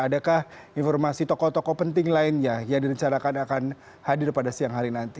adakah informasi tokoh tokoh penting lainnya yang direncanakan akan hadir pada siang hari nanti